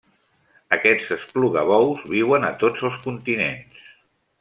Aquests esplugabous viuen a tots els continents.